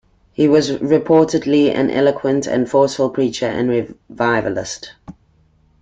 He was reportedly an eloquent and forceful preacher and revivalist.